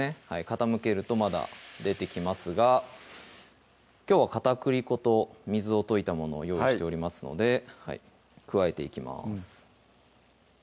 傾けるとまだ出てきますがきょうは片栗粉と水を溶いたものを用意してますので加えていきます